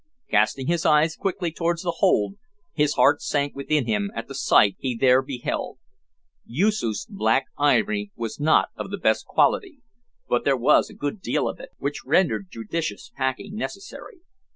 Casting his eyes quickly towards the hold, his heart sank within him at the sight he there beheld. Yoosoof's Black Ivory was not of the best quality, but there was a good deal of it, which rendered judicious packing necessary.